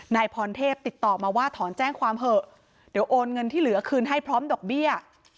นายพรเทพติดต่อมาว่าถอนแจ้งความเถอะเดี๋ยวโอนเงินที่เหลือคืนให้พร้อมดอกเบี้ย